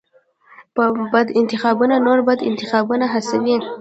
بد انتخابونه نور بد انتخابونه هڅوي.